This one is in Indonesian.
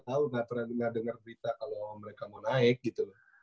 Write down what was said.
iya gue nggak tahu nggak pernah dengar berita kalau mereka mau naik gitu